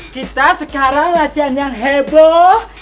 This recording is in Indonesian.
kita sekarang ada yang heboh